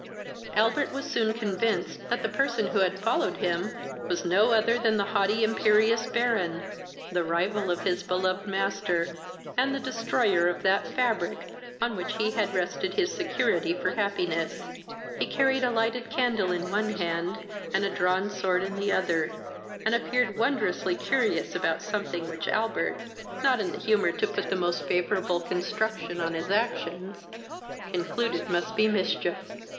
Albert was soon convinced that he person who had followed him was no other than the haughty imperious Baron, the rival of his beloved master, and the destroyer of that fabric on which he had rested his security for happiness. He carried a lighted candle in one hand, and a drawn sword in the other, and appeared wondrously curious about something which Albert, not in the humour to put the most favourable construction on his actions, concluded must be mischief.